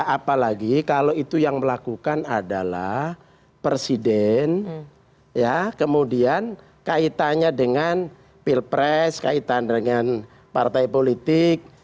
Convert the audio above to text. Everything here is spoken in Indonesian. apalagi kalau itu yang melakukan adalah presiden kemudian kaitannya dengan pilpres kaitan dengan partai politik